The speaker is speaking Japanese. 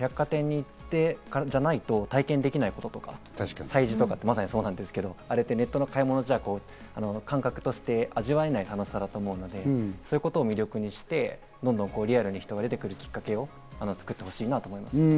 百貨店に行ってからじゃないと体験できないとか、催事とかってまさにそうですけど、ネットの買い物では感覚的に味わえないものだと思うので、こういうのを魅力として、リアルに人が出てくるきっかけを作ってほしいなと思いますね。